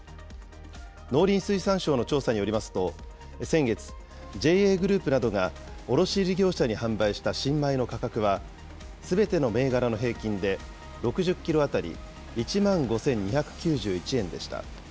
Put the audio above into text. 農林水産省の調査によりますと、先月、ＪＡグループなどが卸売り業者に販売した新米の価格は、すべての銘柄の平均で６０キロ当たり１万５２９１円でした。